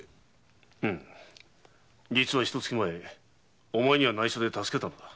実はひと月前お前には内緒で助けたのだ。